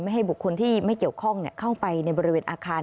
ให้บุคคลที่ไม่เกี่ยวข้องเข้าไปในบริเวณอาคาร